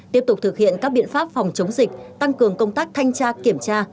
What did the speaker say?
tiếp tục thực hiện các biện pháp phòng chống dịch tăng cường công tác thanh tra kiểm tra